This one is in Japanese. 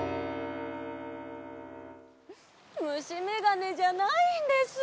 むしめがねじゃないんです。